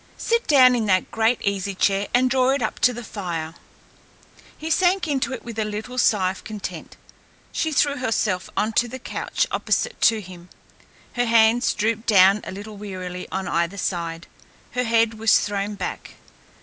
Sit down in that great easy chair and draw it up to the fire." He sank into it with a little sigh of content. She threw herself on to the couch opposite to him. Her hands drooped down a little wearily on either side, her head was thrown back.